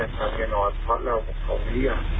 ยังไงมันก็เหมือนกับเมียน้อยเพราะเราของเขาไม่เหลี่ยง